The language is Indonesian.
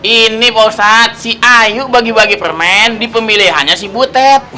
ini pak ustadz si ayu bagi bagi permen di pemilihannya si butet